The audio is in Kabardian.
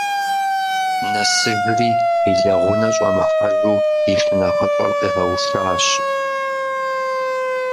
Нэсыжри, и лэгъунэ щӏэмыхьэжу, и шынэхъыщӏэр къигъэушащ.